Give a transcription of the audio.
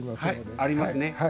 はいありますね。